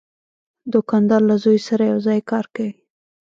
دوکاندار له زوی سره یو ځای کار کوي.